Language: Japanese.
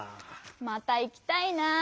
またいきたいなぁ。